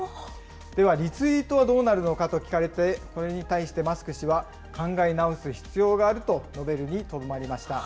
ではリツイートはどうなるのかと聞かれて、これに対してマスク氏は考え直す必要があると述べるにとどまりました。